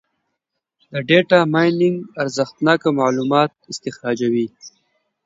د ډیټا مایننګ ارزښتناکه معلومات استخراجوي.